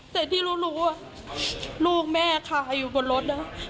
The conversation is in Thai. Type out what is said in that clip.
แต่ที่รู้ลูกแม่คาอยู่บนรถนะ